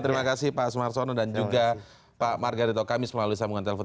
terima kasih pak asmar sonno dan juga pak margareto kamis melalui sambungan telepon